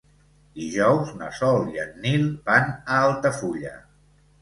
Dijous na Sol i en Nil van a Altafulla.